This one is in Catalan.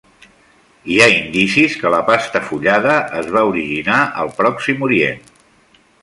Hi ha indicis que la pasta fullada es va originar al Pròxim Orient.